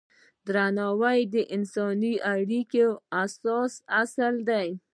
درناوی د انساني اړیکو اساسي اصل دی.